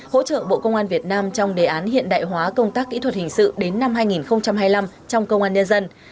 hỗ trợ bộ công an việt nam trong đề án hiện đại hóa công tác kỹ thuật hình sự đến năm hai nghìn hai mươi năm trong công an nhân dân